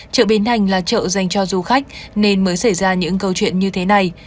chợ bến thành là chợ dành cho du khách nên mới xảy ra những câu chuyện như thế này